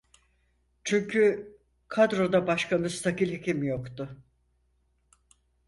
Çünkü kadroda başka müstakil hekim yoktu.